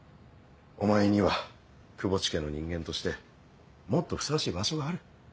お前には窪地家の人間としてもっとふさわしい場所がある。